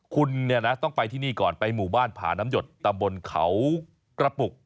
คุณเนี่ยนะต้องไปที่นี่ก่อนไปหมู่บ้านผาน้ำหยดตำบลเขากระปุก